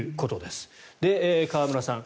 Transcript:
川村さん